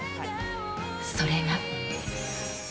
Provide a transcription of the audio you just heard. それが。